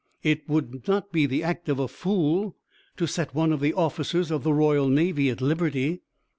"It would not be the act of a fool to set one of the officers of the Royal Navy at liberty."